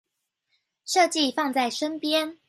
設計放在身邊